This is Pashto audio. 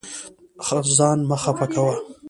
ځان مه خفه کوه.